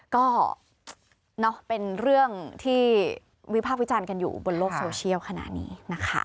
ก็เป็นเรื่องที่วิพากษ์วิจารณ์กันอยู่บนโลกโซเชียลขณะนี้นะคะ